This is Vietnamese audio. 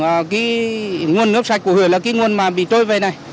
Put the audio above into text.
cái nguồn nước sạch của hủy là cái nguồn mà bị trôi về này